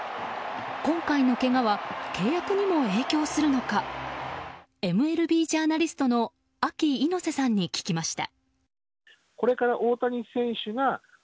今回のけがは契約にも影響するのかＭＬＢジャーナリストのＡＫＩ猪瀬さんに聞きました。